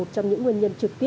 có thể thấy rõ